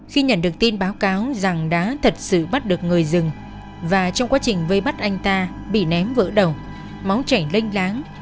khi nhận được tin báo cáo rằng đã thật sự bắt được người rừng và trong quá trình vây bắt anh ta bị ném vỡ đầu máu chảy lênh láng